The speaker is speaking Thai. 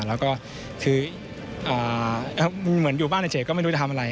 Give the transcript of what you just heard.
แล้วก็คือเหมือนอยู่บ้านในเจ๋ก็ไม่รู้จะทำอะไร